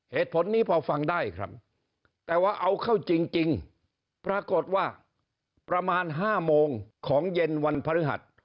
เหตุผลนี้พอฟังได้ครับแต่ว่าเอาเข้าจริงปรากฏว่าประมาณ๕โมงของเย็นวันพฤหัส